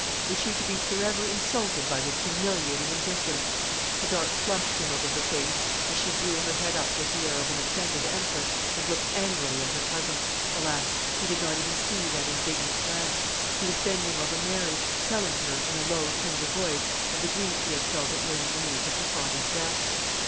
Was she to be for ever insulted by this humiliating indifference? A dark flush came over her face, as she drew her head up with the air of an offended empress, and looked angrily at her cousin. Alas! he did not even see that indignant glance. He was bending over Mary, telling her, in a low tender voice, of the grief he had felt at learning the news of her father's death.